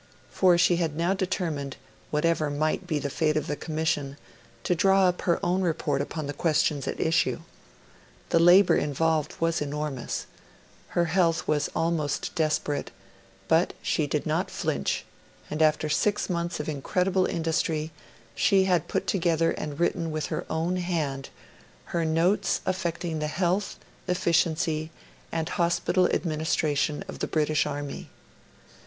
For she had now determined, whatever might be the fate of the Commission, to draw up her own report upon the questions at issue. The labour involved was enormous; her health was almost desperate; but she did not flinch, and after six months of incredible industry she had put together and written with her own hand her Notes affecting the Health, Efficiency, and Hospital Administration of the British Army.